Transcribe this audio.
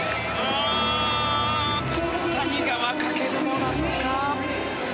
谷川翔も落下！